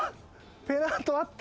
ペナントあった！